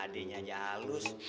adiknya aja halus